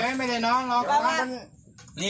ออกไปที่ต้องออกก่อน